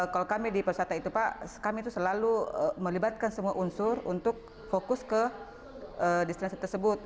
kalau kami di persata itu pak kami itu selalu melibatkan semua unsur untuk fokus ke destinasi tersebut